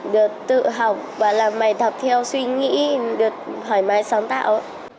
được tự học và làm mày thập theo suy nghĩ được hỏi máy sáng tạo